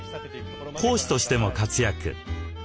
講師としても活躍。